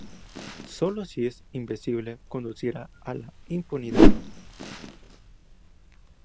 Solo si es invencible conducirá a la impunidad.